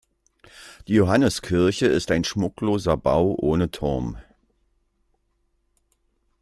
Die Johanneskirche ist ein schmuckloser Bau ohne Turm.